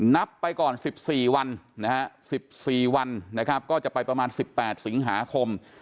นับไปก่อน๑๔วันนะฮะ๑๔วันนะครับก็จะไปประมาณ๑๘สิงหาคม